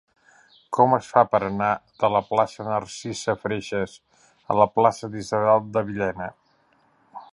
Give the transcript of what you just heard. Com es fa per anar de la plaça de Narcisa Freixas a la plaça d'Isabel de Villena?